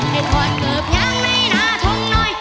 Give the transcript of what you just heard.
ได้ทอดเกือบแหงในหน้าทองน้อย